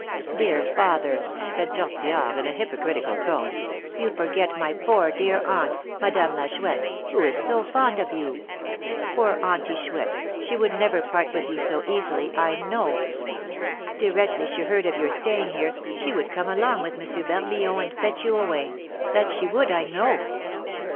"Dear father," said Tortillard, in a hypocritical tone, "you forget my poor dear aunt, Madame la Chouette, who is so fond of you. Poor Aunty Chouette, she would never part with you so easily, I know. Directly she heard of your staying here, she would come along with M. Barbillon and fetch you away that she would, I know."